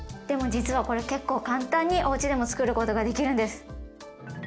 でも実はこれ結構簡単におうちでもつくることができるんです。